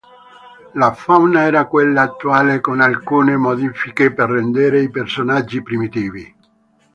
La fauna era quella attuale con alcune modifiche per rendere i personaggi primitivi.